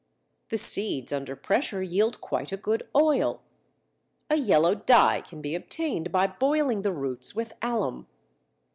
The seeds, under pressure, yield quite a good oil. A yellow dye can be obtained by boiling the roots with alum.